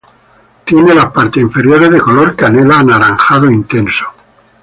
Tiene las partes inferiores de color canela anaranjado intenso.